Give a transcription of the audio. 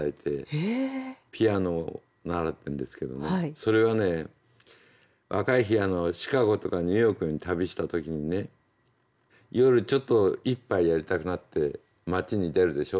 それはね若い日シカゴとかニューヨークに旅した時にね夜ちょっと一杯やりたくなって街に出るでしょ。